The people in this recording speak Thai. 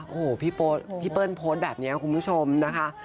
โอ้โหพี่เปิ้ลโพสต์แบบนี้คุณผู้ชมนะคะ